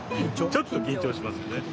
ちょっと緊張しますよね。